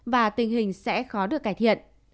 và tình hình sẽ khó được cải thiện